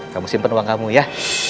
kamu simpan uang kamu ya